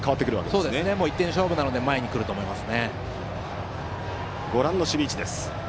ですね、１点勝負なので前に来ると思います。